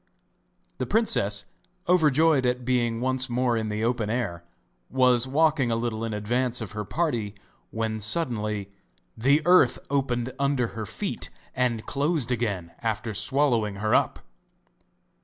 The princess, overjoyed at being once more in the open air, was walking a little in advance of her party when suddenly the earth opened under her feet and closed again after swallowing her up!